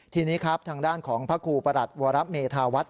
ทีนี้ครับทางด้านของพระครูประหลัดวรเมธาวัฒน